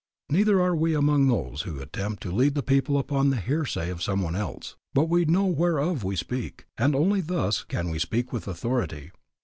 Neither are we among those who attempt to lead the people upon the hearsay of some one else, but we know whereof we speak, and only thus can we speak with authority.